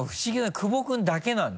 久保君だけなんだ。